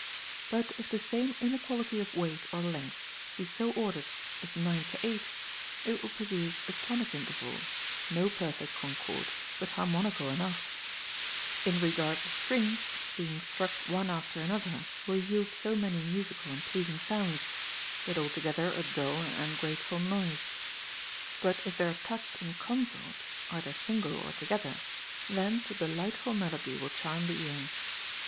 But if the same inequality of weight or length be so ordered as nine to eight, it will produce a tonic interval, no perfect concord, but harmonical enough ; in regard the strings being struck one after another will yield so many musical and pleasing sounds, but all together a dull and ungrateful noise. But if they are touched in consort, either single or together, thence a delightful mel ody will charm the ear.